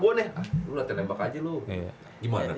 pengen mencoba juga